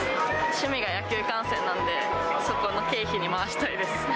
趣味が野球観戦なんで、そこの経費に回したいです。